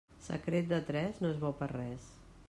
Secret de tres no és bo per res.